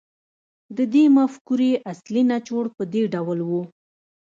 د دې مفکورې اصلي نچوړ په دې ډول و